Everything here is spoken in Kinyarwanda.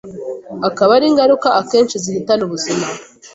akaba ari ingaruka akenshi zihitana ubuzima